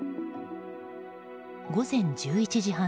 午前１１時半